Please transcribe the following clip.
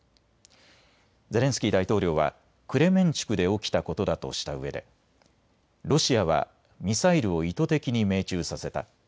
ゼレンスキー大統領はクレメンチュクで起きたことだとしたうえでロシアはミサイルを意図的に命中させた。